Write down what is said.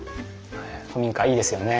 古民家いいですよね。